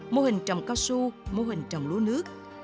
mô hình trồng cao su mô hình trồng lúa nước